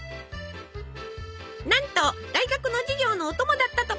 なんと大学の授業のお供だったとか。